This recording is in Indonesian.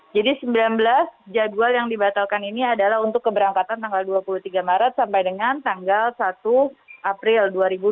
sembilan belas jadwal yang dibatalkan ini adalah untuk keberangkatan tanggal dua puluh tiga maret sampai dengan tanggal satu april dua ribu dua puluh